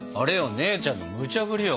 姉ちゃんのむちゃぶりよ